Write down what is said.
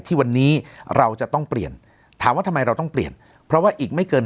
ที่วันนี้เราจะต้องเปลี่ยนถามว่าทำไมเราต้องเปลี่ยนเพราะว่าอีกไม่เกิน